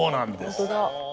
本当だ。